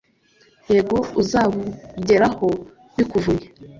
yego, uzabugeraho bikuvunnye